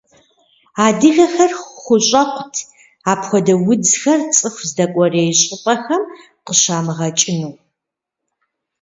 Адыгэхэр хущӏэкъут апхуэдэ удзхэр цӏыху здэкӏуэрей щӏыпӏэхэм къыщамыгъэкӏыну.